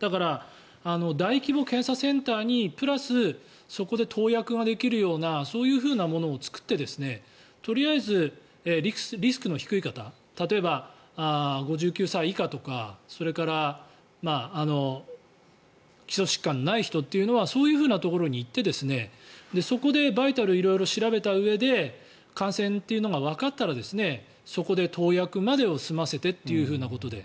だから、大規模検査センターにプラスそこで投薬ができるようなそういうふうなものを作ってとりあえず、リスクの低い方例えば、５９歳以下とかそれから基礎疾患のない人というのはそういうふうなところに行ってそこでバイタル色々調べたうえで感染というのがわかったらそこで投薬までを済ませてというようなことで。